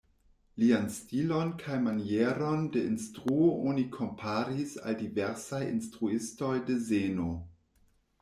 Lian stilon kaj manieron de instruo oni komparis al diversaj instruistoj de zeno.